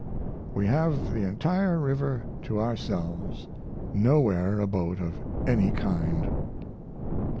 We have the entire river to ourselves nowhere a boat of any kind.